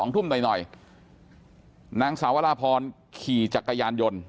ทุ่มหน่อยนางสาวราพรขี่จักรยานยนต์